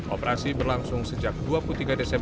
operasi ini akan menunjukkan kepentingan dari bumkg